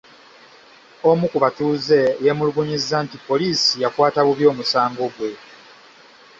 Omu ku batuuze yeemulugunyizza nti poliisi yakwata bubi omusango gwe.